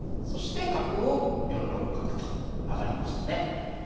そして角を４六角と上がりましたね。